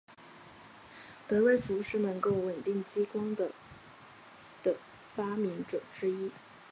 德瑞福是能够稳定激光的的发明者之一。